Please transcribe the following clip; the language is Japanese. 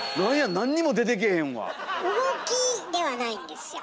なんにも出てけえへんわ。